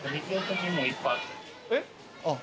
えっ？